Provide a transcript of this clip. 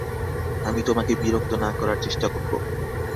আমি তোমাকে বিরক্ত না করার চেষ্টা করব।